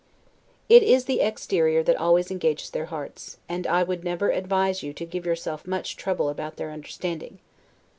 It is the exterior that always engages their hearts; and I would never advise you to give yourself much trouble about their understanding.